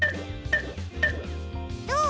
どう？